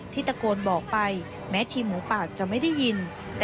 ตะโกนบอกไปแม้ทีมหมูปากจะไม่ได้ยิน